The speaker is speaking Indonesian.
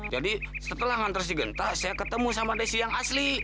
jadi setelah nganterin si genta saya ketemu sama desi yang asli